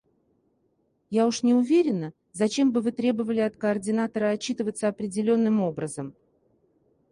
Я уж не уверена, зачем бы Вы требовали от координатора отчитываться определенным образом.